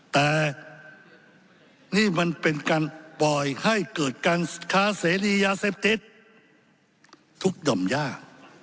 แต่นี่มันเป็นการปล่อยให้เกิดการค้าเสรียาเสพติดทุกหย่อมย่า